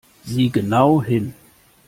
Sieh genau hin!